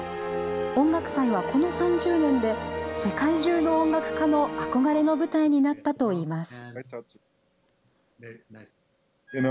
音楽祭はこの３０年で、世界中の音楽家の憧れの舞台になったといいます。